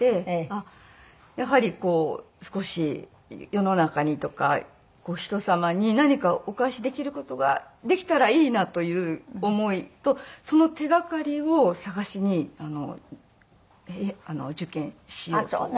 あっやはり少し世の中にとか人様に何かお返しできる事ができたらいいなという思いとその手掛かりを探しに受験しようと思ったんです。